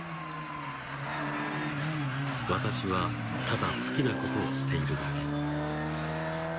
私はただ好きなことをしているだけ。